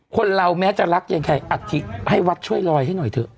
คนเราแม้จะรักยังไงอธิให้วัดช่วยลอยให้หน่อยเถอะ